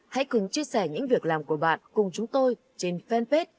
hãy cùng chia sẻ những việc làm của bạn cùng chúng tôi trên fanpage